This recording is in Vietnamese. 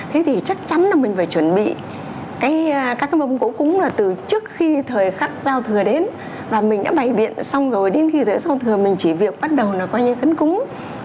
thế thì chắc chắn là mình phải chuẩn bị các mông cỗ cúng là từ trước khi thời khắc giao thừa đến và mình đã bày biện xong rồi đến khi thời gian giao thừa mình chỉ việc bắt đầu là coi như cấn cúng